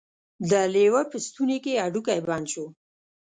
د لیوه په ستوني کې هډوکی بند شو.